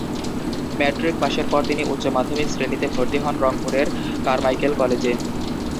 Matric পাশের পর তিনি উচ্চ মাধ্যমিক শ্রেণীতে ভর্তি হন রংপুরের কারমাইকেল কলেজে।